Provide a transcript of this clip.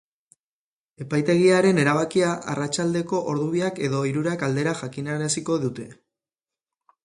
Epaitegiaren erabakia arratsaldeko ordu biak edo hiruak aldera jakinaraziko dute.